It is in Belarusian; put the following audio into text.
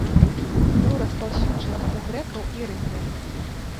Быў распаўсюджаны ў грэкаў і рымлян.